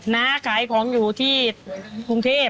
น้าขายของอยู่ที่กรุงเทพ